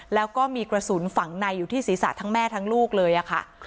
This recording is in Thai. แล้วก็มีกระสุนฝังในอยู่ที่ศีรษะทั้งแม่ทั้งลูกเลยค่ะ